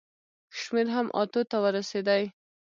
شمېر هم اتو ته ورسېدی.